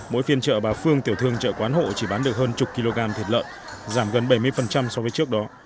mỗi phiên chợ bà phương tiểu thương chợ quán hộ chỉ bán được hơn chục kg thịt lợn giảm gần bảy mươi so với trước đó